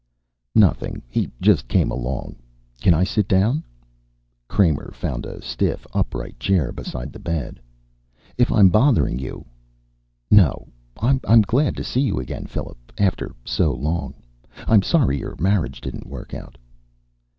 "Nothing. He just came along. Can I sit down?" Kramer found a stiff upright chair beside the bed. "If I'm bothering you " "No. I'm glad to see you again, Philip. After so long. I'm sorry your marriage didn't work out."